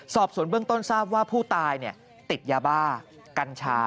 สอบสวนเบื้องต้นทราบว่าผู้ตายติดยาบ้ากัญชา